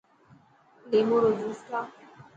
ليمون رو جوس ٺاهه.